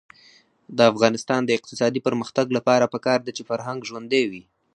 د افغانستان د اقتصادي پرمختګ لپاره پکار ده چې فرهنګ ژوندی وي.